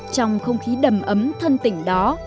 trong không khí đầm ấm thân tỉnh đó